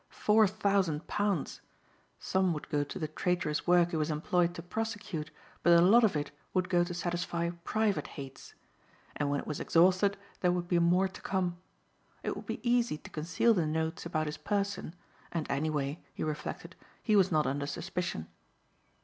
Four thousand pounds! Some would go to the traitorous work he was employed to prosecute, but a lot of it would go to satisfy private hates. And when it was exhausted there would be more to come. It would be easy to conceal the notes about his person, and, anyway, he reflected, he was not under suspicion.